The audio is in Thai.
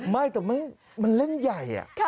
ไม่แต่มันเล่นใหญ่